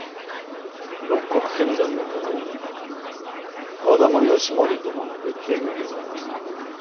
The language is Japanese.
六国見山の手前に和田義盛殿の別邸がございます。